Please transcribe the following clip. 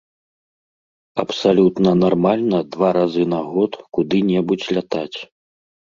Абсалютна нармальна два разы на год куды-небудзь лятаць.